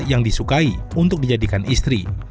yang disukai untuk dijadikan istri